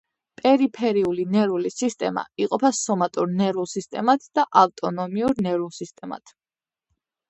პერიფერიული ნერვული სისტემა იყოფა სომატურ ნერვულ სისტემად და ავტონომიურ ნერვულ სისტემად.